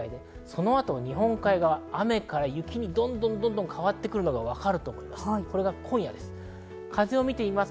その後は日本海側、雨から雪に変わってくるのがわかると思います。